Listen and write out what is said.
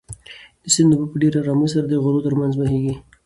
د سیند اوبه په ډېرې ارامۍ سره د غرو تر منځ بهېږي.